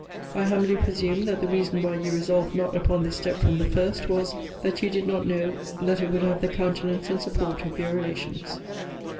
I humbly presume that the reason why you resolved not upon this step from the first, was, that you did not know that it would have the countenance and support of your relations.